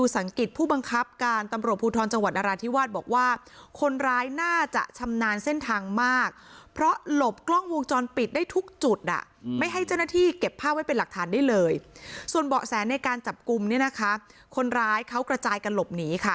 ส่วนเบาะแสนในการจับกุมคนร้ายเขากระจายกันหลบหนี